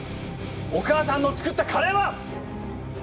お母さんの作ったカレーは！